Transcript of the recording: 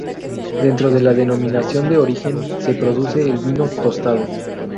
Dentro de la denominación de origen se produce el vino tostado.